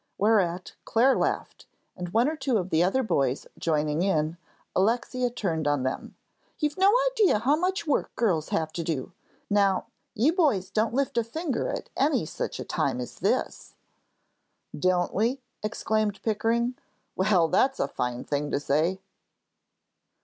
Whereat Clare laughed, and one or two of the other boys joining in, Alexia turned on them. "You've no idea how much work girls have to do. Now, you boys don't lift a finger at any such a time as this." "Don't we?" exclaimed Pickering. "Well, that's a fine thing to say."